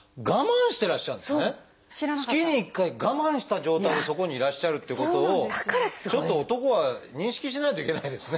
月に１回我慢した状態でそこにいらっしゃるってことをちょっと男は認識しないといけないですね。